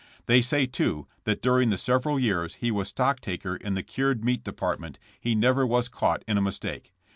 They say, too, that during the several years he was stock taker in the cured meat depart ment he never was caught in a mistake.